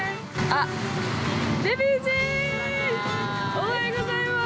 ◆おはようございます。